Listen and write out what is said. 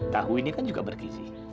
tahu ini kan juga bergizi